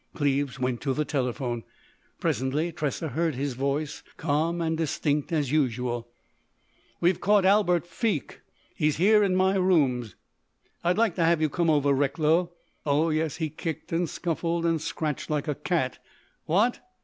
Cleves went to the telephone. Presently Tressa heard his voice, calm and distinct as usual: "We've caught Albert Feke. He's here at my rooms. I'd like to have you come over, Recklow.... Oh, yes, he kicked and scuffled and scratched like a cat.... What?...